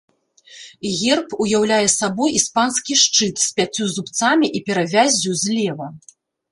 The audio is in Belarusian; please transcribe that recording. Герб уяўляе сабой іспанскі шчыт з пяццю зубцамі і перавяззю злева.